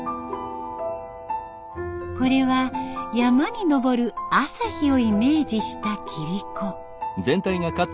これは山に昇る朝日をイメージした切子。